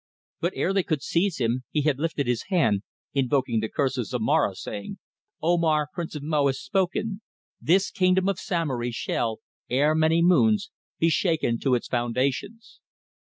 But ere they could seize him, he had lifted his hand, invoking the curse of Zomara, saying: "Omar, Prince of Mo, has spoken. This kingdom of Samory shall, ere many moons, be shaken to its foundations."